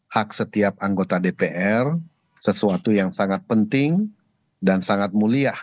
hak setiap anggota dpr sesuatu yang sangat penting dan sangat mulia